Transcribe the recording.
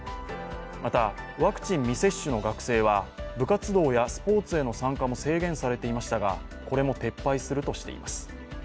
また、ワクチン未接種の学生は部活動やスポーツへの参加も制限されていましたがこれも撤廃するとしています。